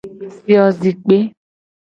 Fiozikpe.